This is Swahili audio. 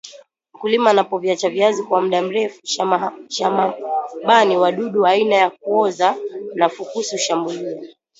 mkulima anapoviacha viazi kwa mda mrefu shamabani wadudu aina ya kuoza na fukusi hushambulia